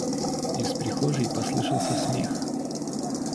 Из прихожей послышался смех.